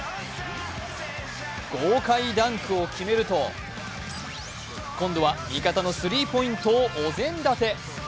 豪快ダンクを決めると今度は味方のスリーポイントをお膳立て。